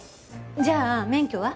じゃあ免許は？